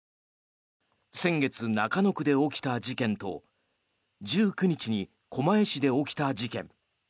先月、中野区で起きた事件と１９日に狛江市で起きた事件。